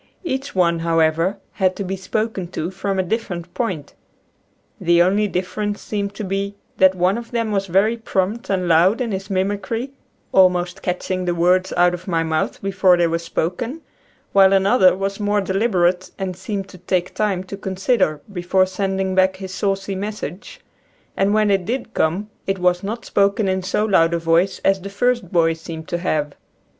Each one, however, had to be spoken to from a dif ferent point. The only difference seemed to be that one of them was very prompt and loud in his mimicry, almost catching the words out «7 {^\, Original from :{<~ UNIVERSITY OF WISCONSIN 68 nature's Airacles. of my mouth before they were spoken, while another was more deliberate and seemed to take time to consider before sending back his saucy message, and when it did come it was not spoken in so loud a voice as the first boy seemed to have.